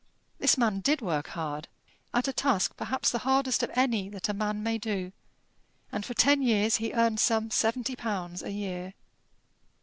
This man did work hard at a task perhaps the hardest of any that a man may do; and for ten years he earned some seventy pounds a year.